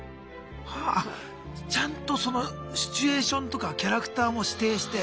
あっちゃんとそのシチュエーションとかキャラクターも指定して。